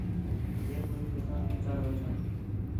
ٻَئہ مُݨس اساں سا چڑھ ویٹھن